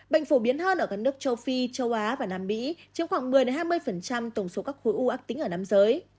bệnh phổ biến hơn ở các nước châu phi châu á và nam mỹ chiếm khoảng một mươi hai mươi tổng số các khối u ác tính ở nam giới